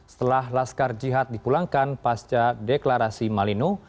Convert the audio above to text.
setelah laskar jihad dipulangkan pasca deklarasi malino